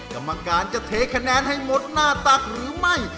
กรรมการจะเทคะแนนให้หมดหน้าตักหรือไม่